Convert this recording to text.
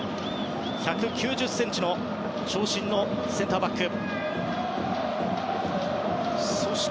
１９０ｃｍ、長身のセンターバックです、町田。